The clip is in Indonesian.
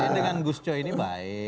saya dengan gus coy ini baik